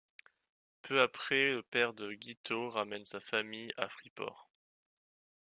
Peu après le père de Guiteau ramène sa famille à Freeport.